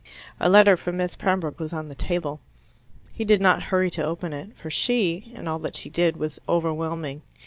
A letter from Miss Pembroke was on the table. He did not hurry to open it, for she, and all that she did, was overwhelming.